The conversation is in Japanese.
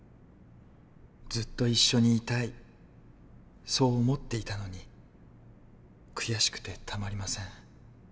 ずっと一緒にいたいそう思っていたのに悔しくてたまりません。